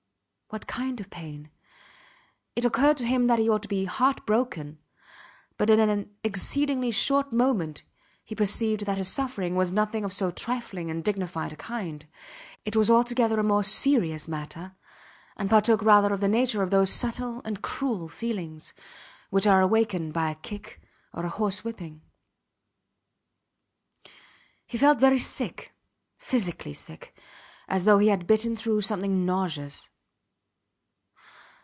What kind of pain? It occurred to him that he ought to be heart broken; but in an exceedingly short moment he perceived that his suffering was nothing of so trifling and dignified a kind. It was altogether a more serious matter, and partook rather of the nature of those subtle and cruel feelings which are awakened by a kick or a horse whipping. He felt very sick physically sick as though he had bitten through something nauseous.